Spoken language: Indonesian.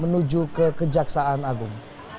menuju ke kejaksaan agung